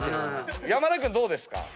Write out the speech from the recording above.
山田君どうですか？